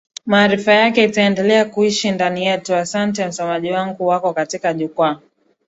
Maarifa yake itaendelea kuishi ndani yetu Ahsante msomaji wanguWako katika Jukwaa